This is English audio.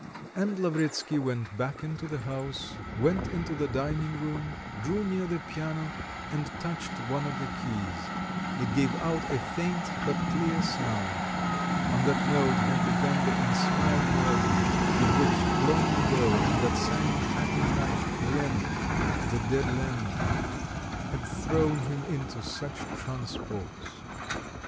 And Lavretsky went back into the house, went into the dining room, drew near the piano and touched one of the keys; it gave out a faint but clear sound; on that note had begun the inspired melody with which long ago on that same happy night Lemm, the dead Lemm, had thrown him into such transports.